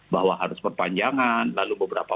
bahwa harus perpanjangan lalu beberapa